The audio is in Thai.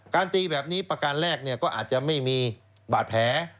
ตีแบบนี้ประการแรกก็อาจจะไม่มีบาดแผล